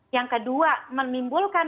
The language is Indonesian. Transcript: yang kedua menimbulkan